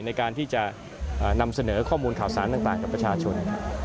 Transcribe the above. ในการที่จะนำเสนอข้อมูลข่าวสารต่างกับประชาชน